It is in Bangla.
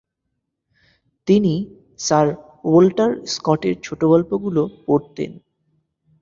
তিনি স্যার ওল্টার স্কটের ছোটগল্পগুলো পড়তেন।